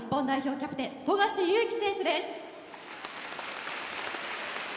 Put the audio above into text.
キャプテン富樫勇樹選手です。